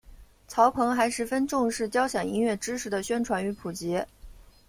曹鹏还十分重视交响音乐知识的宣传与普及。